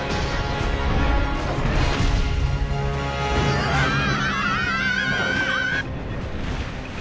うわあ！